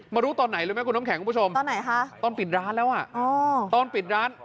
รู้ตอนไหนรู้ไหมคุณน้ำแข็งคุณผู้ชมตอนไหนคะตอนปิดร้านแล้วอ่ะตอนปิดร้าน